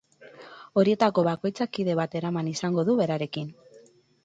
Horietako bakoitzak kide bat eraman izango du berarekin.